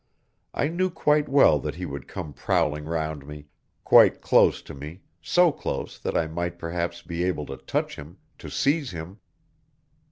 I knew quite well that he would come prowling round me, quite close to me, so close that I might perhaps be able to touch him, to seize him.